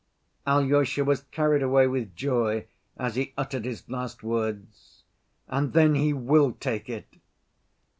Alyosha was carried away with joy as he uttered his last words, "And then he will take it!"